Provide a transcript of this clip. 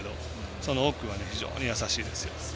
その奥は非常に優しいですよ。